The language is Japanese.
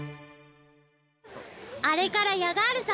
あれからヤガールさん